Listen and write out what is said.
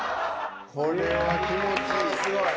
これは気持ちいい。